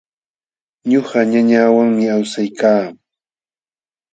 Ñuqa ñañawanmi awsaykaa.